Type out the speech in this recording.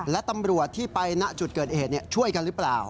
และตำรวจที่ไปณจุดเกิดเหตุช่วยกันหรือเปล่า